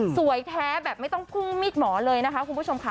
แท้แบบไม่ต้องพุ่งมีดหมอเลยนะคะคุณผู้ชมค่ะ